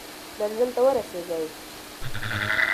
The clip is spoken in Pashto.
منزل ته ورسېږئ.